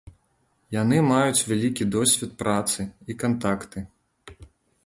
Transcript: Яны маюць вялікі досвед працы і кантакты.